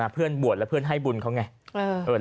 เพื่อนบวชแล้วเพื่อนให้บุญเขาไง